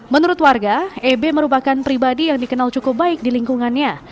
menurut warga eb merupakan pribadi yang dikenal cukup baik di lingkungannya